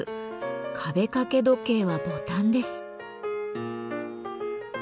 壁掛け時計はボタンです。